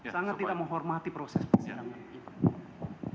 sangat tidak menghormati proses persidangan